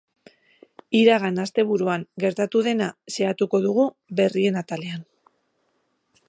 Iragan asteburuan gertatu dena xehatuko dugu berrien atalean.